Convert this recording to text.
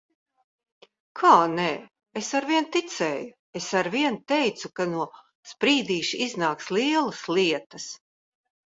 Kā nē? Es arvien ticēju! Es arvien teicu, ka no Sprīdīša iznāks lielas lietas.